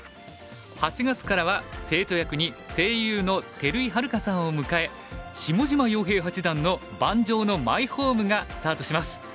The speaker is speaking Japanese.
８月からは生徒役に声優の照井春佳さんを迎え下島陽平八段の「盤上のマイホーム」がスタートします。